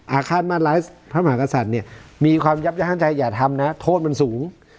อาฆาตมาตรร้ายพระมหากษัตริย์เนี่ยมีความยับยั้งใจอย่าทำนะโทษมันสูง